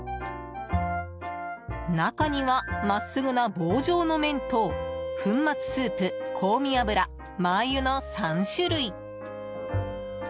中には、真っすぐな棒状の麺と粉末スープ、香味油、マー油の３種類。